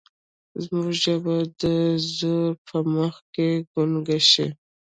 زموږ ژبه د زور په مخ کې ګونګه شي.